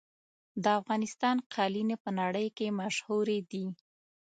د افغانستان قالینې په نړۍ کې مشهورې دي.